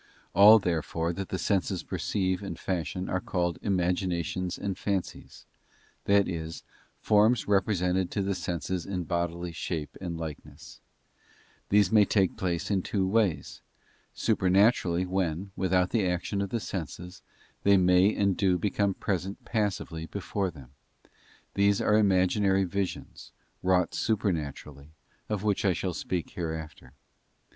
All, therefore, that the senses perceive and fashion are called imaginations and fancies—that is, forms represented to _ the senses in bodily shape and likeness. These may take i" place in two ways—supernaturally when, without the action of the senses, they may and do become present passively before them. These are imaginary visions wrought super naturally, of which I shall speak hereafter.